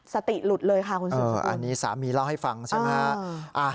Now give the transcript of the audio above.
สติหลุดเลยค่ะคุณสุดอันนี้สามีเล่าให้ฟังใช่ไหมฮะ